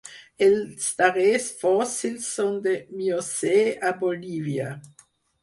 Els darrers fòssils són del Miocè a Bolívia.